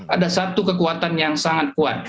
ada satu kekuatan yang sangat kuat